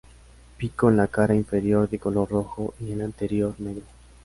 Pico en la cara inferior de color rojo y en la anterior negro.